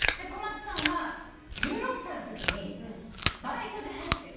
小松さんは１６歳のときにバイトで入って。